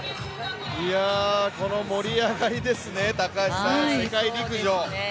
この盛り上がりですね、世界陸上。